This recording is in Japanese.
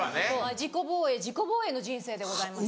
自己防衛自己防衛の人生でございます。